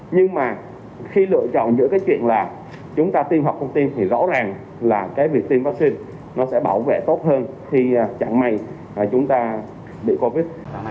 nhưng mà khi lựa chọn giữa cái chuyện là chúng ta tiêm hoặc thông tin thì rõ ràng là cái việc tiêm vaccine nó sẽ bảo vệ tốt hơn khi chẳng may chúng ta bị covid